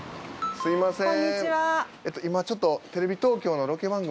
すみません